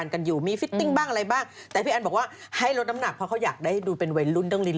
ตอนตอนแรกนะฮะตอนออกมาหน้ายังแดง